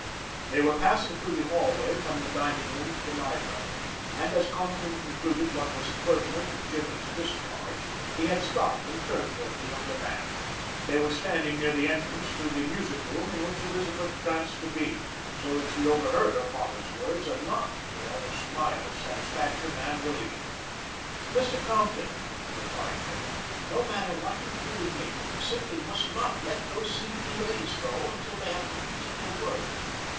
They were passing through the hallway from the dining room to the library, and as Compton concluded what was equivalent to Jimmy's discharge, he had stopped and turned toward the younger man. They were standing near the entrance to the music room in which Elizabeth chanced to be, so that she overheard her father's words, and not without a smile of satisfaction and relief. "Mr. Compton," replied Jimmy, "no matter what you do with me, you simply must not let those C.P.A.'s go until they have completed their work.